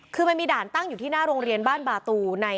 คือมันมีด่านตั้งอยู่ที่หน้าโรงเรียนบ้านบาตู